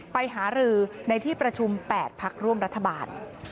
หารือในที่ประชุม๘พักร่วมรัฐบาล